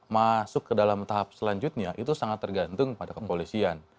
masuk ke dalam tahap selanjutnya itu sangat tergantung pada kepolisian